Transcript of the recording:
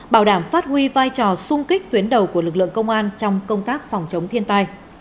bảo đảm phát huy vai trò sung kích tuyến đầu của lực lượng công an trong công tác phòng chống thiên tai